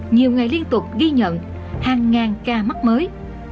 nhiều ngày liên tục ghi nhận hàng ngàn ca mắc mới